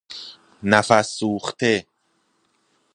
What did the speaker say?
نفس سوخته